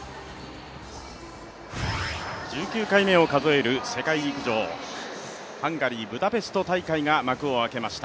１９回目を数える世界陸上、ハンガリー・ブダペスト大会が幕を開けました。